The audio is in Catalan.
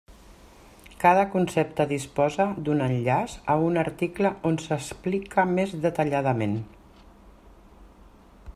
Cada concepte disposa d'un enllaç a un article on s'explica més detalladament.